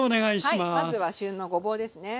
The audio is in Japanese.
まずは旬のごぼうですね。